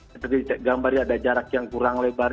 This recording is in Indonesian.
seperti gambarnya ada jarak yang kurang lebar